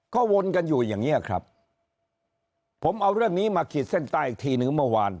ก็วนกันอยู่อย่างเงี้ยครับผมเอาเรื่องนี้มาขีดเส้นใต้อีกทีหนึ่งเมื่อวาน